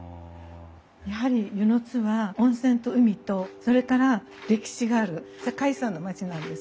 やはり温泉津は温泉と海とそれから歴史がある世界遺産の町なんですね。